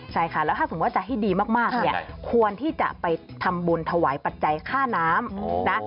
ใช่ค่ะแล้วถ้าสมมุติจะให้ดีมากเนี่ยควรที่จะไปทำบุญถวายปัจจัยค่าน้ำนะ